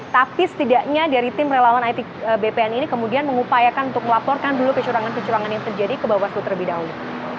tapi setidaknya dari tim relawan it bpn ini kemudian mengupayakan untuk melaporkan dulu kecurangan kecurangan yang terjadi ke bawaslu terlebih dahulu